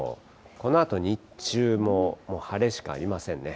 このあと日中も、もう晴れしかありませんね。